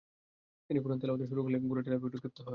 তিনি কুরআন তিলাওয়াত শুরু করলেই ঘোড়াটি লাফিয়ে উঠে, ক্ষীপ্ত হয়।